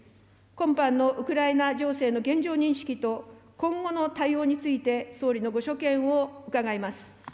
今般のウクライナ情勢の現状認識と今後の対応について総理のご所見を伺います。